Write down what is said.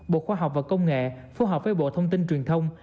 bộ khoa học và công nghệ phù hợp với bộ thông tin truyền thông